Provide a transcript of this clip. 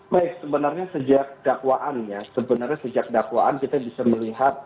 baik sebenarnya sejak dakwaan ya sebenarnya sejak dakwaan kita bisa melihat